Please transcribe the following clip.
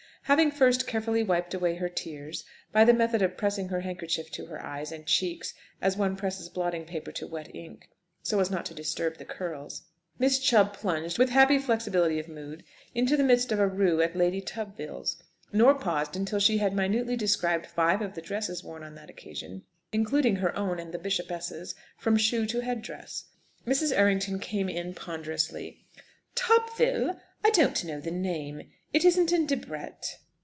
Having first carefully wiped away her tears by the method of pressing her handkerchief to her eyes and cheeks as one presses blotting paper to wet ink, so as not to disturb the curls, Miss Chubb plunged, with happy flexibility of mood, into the midst of a rout at Lady Tubville's, nor paused until she had minutely described five of the dresses worn on that occasion, including her own and the bishopess's, from shoe to head dress. Mrs. Errington came in ponderously. "Tubville? I don't know the name. It isn't in Debrett?"